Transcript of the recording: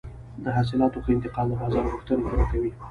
د حاصلاتو ښه انتقال د بازار غوښتنې پوره کوي.